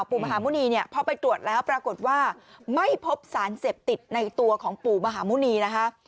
ปู่มหาหมุณีเนี่ยพอไปตรวจแล้วปรากฏว่าไม่พบสารเสพติดในตัวของปู่มหาหมุณีนะคะ